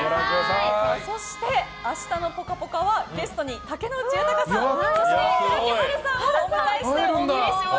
そして、明日の「ぽかぽか」はゲストに竹野内豊さんそして黒木華さんをお迎えしてお送りします。